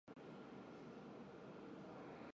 如今的马甸地区元朝时属于可封坊。